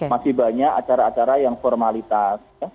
masih banyak acara acara yang formalitas